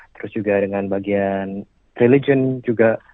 terus juga dengan bagian religion juga